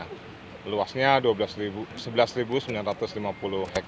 proyek setelah ini mengambil air ke nilla asia aqui pada minggu depan